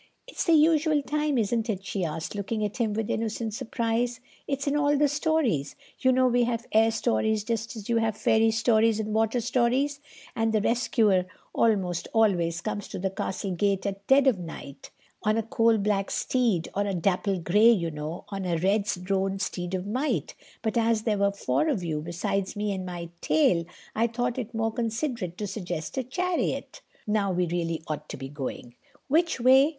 "It's the usual time, isn't it?" she asked, looking at him with innocent surprise. "It is in all the stories. You know we have air stories just as you have fairy stories and water stories—and the rescuer almost always comes to the castle gate at dead of night, on a coal black steed or a dapple gray, you know, or a red roan steed of might; but as there were four of you, besides me and my tail, I thought it more considerate to suggest a chariot. Now, we really ought to be going." "Which way?"